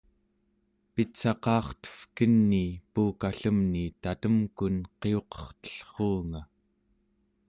pitsaqa'artevkenii puukallemni tatemkun qiuqertellruuq